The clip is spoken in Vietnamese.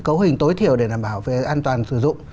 cấu hình tối thiểu để bảo vệ an toàn sử dụng